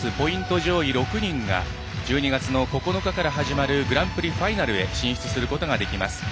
上位６人が１２月の９日から始まるグランプリファイナルへ進出することができます。